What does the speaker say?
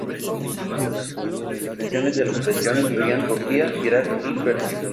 Otras extensiones de la operación, incluían Turquía, Irak y Persia.